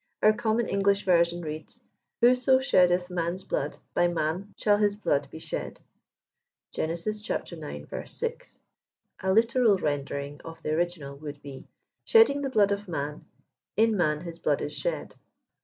Our common English version reads, '* Whoso sheddeth man's blood, by man shall his blood be shed," (Gen. ix. 6.) A literal rendering of the origimd would be, '* Shedding the blood of man, in man his blood is shed.'